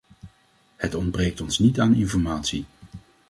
Het ontbreekt ons niet aan informatie.